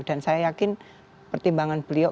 dan saya yakin pertimbangan beliau